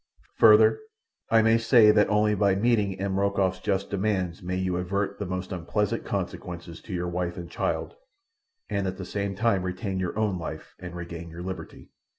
"Further, I may say that only by meeting M. Rokoff's just demands may you avert the most unpleasant consequences to your wife and child, and at the same time retain your own life and regain your liberty."